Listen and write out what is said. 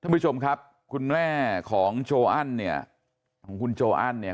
ท่านผู้ชมครับคุณแม่ของโจอันเนี่ย